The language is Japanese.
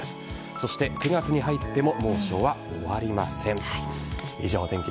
そして９月に入っても猛暑は終わりません。